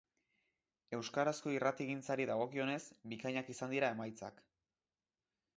Euskarazko irratigintzari dagokionez, bikainak izan dira emaitzak.